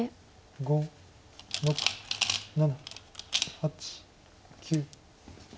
５６７８９。